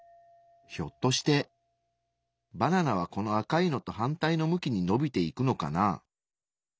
ひょっとしてバナナはこの赤いのと反対の向きにのびていくのかな。